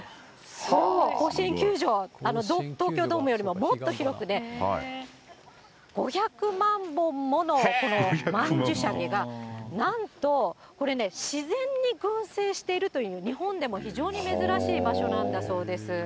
甲子園球場、東京ドームよりももっと広く、５００万本ものこの曼殊沙華が、なんとこれね、自然に群生しているという、日本でも非常に珍しい場所なんだそうです。